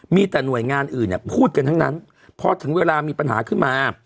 มีแต่หน่วยงานอื่นพูดกันทั้งนั้นพอถึงเวลามีปัญหาขึ้นมา